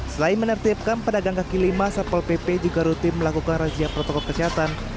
selain menertibkan pedagang kaki lima satpol pp juga rutin melakukan razia protokol kesehatan